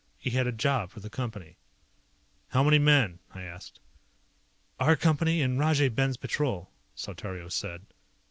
He had a job for the Company. "How many men?" I asked. "Our Company and Rajay Ben's Patrol," Saltario said.